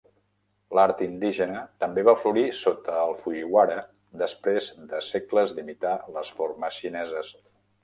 L'art indígena també va florir sota el Fujiwara després de segles d'imitar les formes xineses.